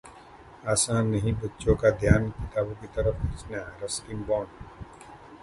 आसां नहीं है बच्चों का ध्यान किताबों की तरफ खींचना: रस्किन बॉन्ड